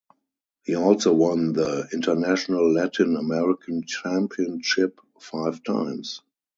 He also won the International Latin American Championship five times.